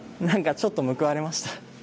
なんか、ちょっと報われました。